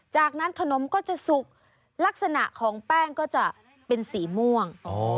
จากนั้นขนมก็จะสุกลักษณะของแป้งก็จะเป็นสีม่วง